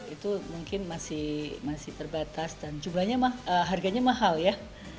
itu mungkin masih terbatas dan jumlahnya harganya mahal ya